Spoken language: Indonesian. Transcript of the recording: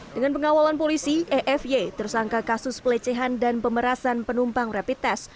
dengan pengawalan polisi efy tersangka kasus pelecehan dan pemerasan penumpang rapid test